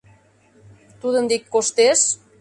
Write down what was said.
Тудын дек коштеш?..